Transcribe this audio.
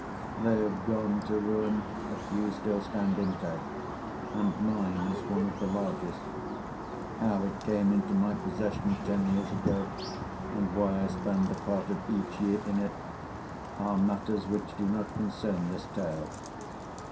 They have gone to ruin, a few still stand intact, and mine is one of the largest. How it came into my possession ten years ago, and why I spend a part of each year in it, are matters which do not concern this tale.